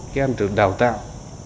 các em được đào tạo